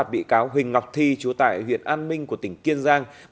bị cáo huỳnh ngọc thi chú tại huyện an minh của tỉnh kiên giang